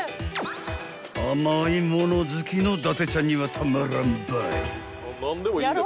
［甘いもの好きの伊達ちゃんにはたまらんばい］